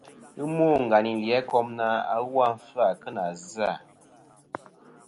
Ghɨ mô ngàyn î lì Itaŋikom na, "awu a nɨn fɨ-à kɨ nà zɨ-à.”.